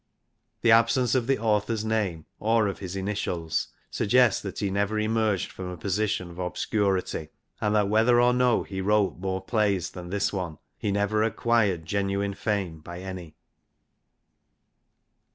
The absence of the author's name, or of his initials, suggests that he never emerged from a position of obscurity ; and that whether or no he wrote more plays than this one, he never acquired genuine fame by any.